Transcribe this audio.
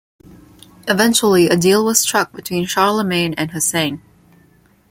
Eventually a deal was struck between Charlemagne and Husayn.